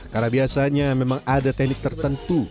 karena biasanya memang ada teknik tertentu